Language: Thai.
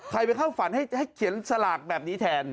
ไปเข้าฝันให้เขียนสลากแบบนี้แทน